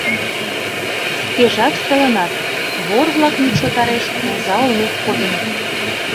— Шкежат шылынат, вор-влак мӱкшотареш оза олмеш кодыныт.